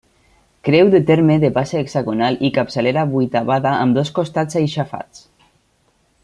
Creu de terme de base hexagonal i capçalera vuitavada amb dos costats aixafats.